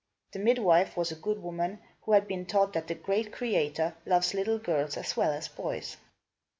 The midwife was a good woman, who had been taught that the Great Creator loves little girls as well as boys.